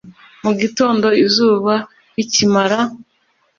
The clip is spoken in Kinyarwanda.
mu gitondo izuba rikimara